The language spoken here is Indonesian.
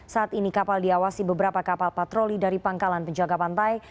saat ini kapal diawasi beberapa kapal patroli dari pangkalan penjaga pantai